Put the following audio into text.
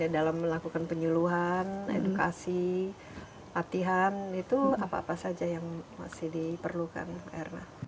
dalam melakukan penyuluhan edukasi latihan itu apa apa saja yang masih diperlukan erna